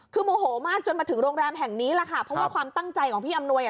คือโมโหมากจนมาถึงโรงแรมแห่งนี้แหละค่ะเพราะว่าความตั้งใจของพี่อำนวยอ่ะ